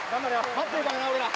待ってるからな俺ら。